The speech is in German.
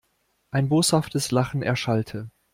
Ein boshaftes Lachen erschallte.